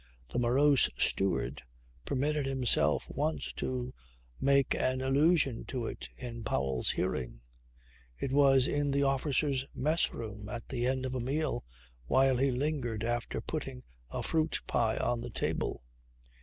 The morose steward permitted himself once to make an allusion to it in Powell's hearing. It was in the officers' mess room at the end of a meal while he lingered after putting a fruit pie on the table.